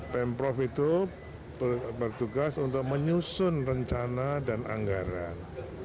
pemprov itu bertugas untuk menyusun rencana dan anggaran